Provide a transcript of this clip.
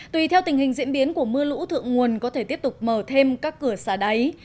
tùy theo tình hình diễn biến của mưa lũ thượng nguồn có thể tiếp tục mở thêm các cửa xả đáy